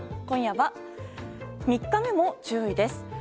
今夜は、３日目も注意！です。